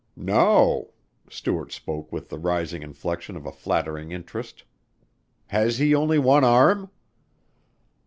"No!" Stuart spoke with the rising inflection of a flattering interest. "Has he only one arm?"